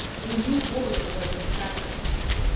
A new world was discovered.